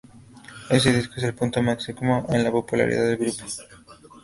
Este disco es el punto máximo en la popularidad del grupo.